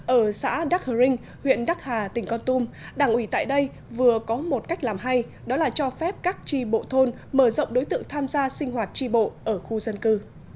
ở xã đắc hờ rinh huyện đắc hà tỉnh con tum đảng ủy tại đây vừa có một cách làm hay đó là cho phép các tri bộ thôn mở rộng đối tượng tham gia sinh hoạt tri bộ ở khu dân cư